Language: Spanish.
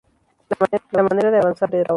La manera de avanzar era otra.